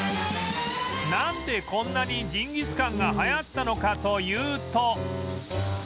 なんでこんなにジンギスカンが流行ったのかというと